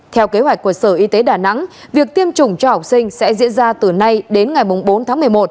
theo kế hoạch của sở y tế đà nẵng việc tiêm chủng cho học sinh sẽ diễn ra từ nay đến ngày bốn tháng một mươi một